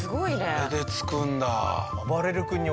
これでつくんだ。